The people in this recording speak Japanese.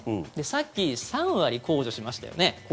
さっき、３割控除しましたよね。